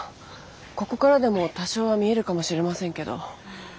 ここからでも多少は見えるかもしれませんけど。